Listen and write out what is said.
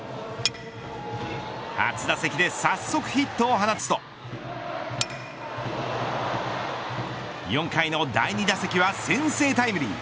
初打席で早速ヒットを放つと４回の第２打席は先制タイムリー。